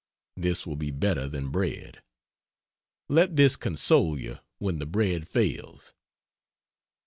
This will be better than bread. Let this console you when the bread fails.